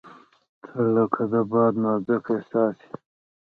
• ته لکه د باد نازک احساس یې.